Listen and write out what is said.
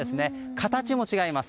形も違います。